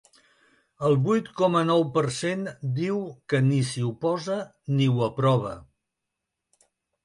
El vuit coma nou per cent diu que ni s’hi oposa ni ho aprova.